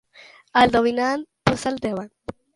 Al dominant, posa'l davant.